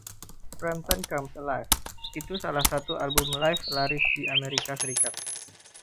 Frampton Comes Alive! itu salah satu album live laris di Amerika Serikat.